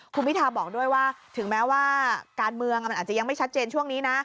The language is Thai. คุณพิทาบอกด้วยว่าถึงแม้ว่าการเมืองมันอาจจะยังไม่ชัดเจนช่วงนี้นะ